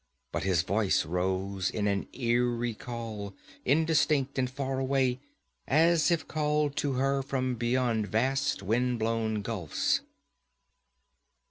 But his voice rose in an eery call, indistinct and far away, as if called to her from beyond vast, wind blown gulfs.